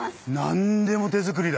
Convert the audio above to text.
何でも手作りだ。